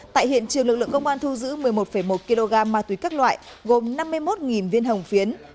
tại hiện trường lực lượng công an thu giữ một mươi một một kg ma túy các loại gồm năm mươi một viên hồng phiến